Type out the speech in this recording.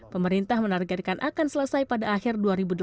pemerintah menargetkan akan selesai pada akhir dua ribu delapan belas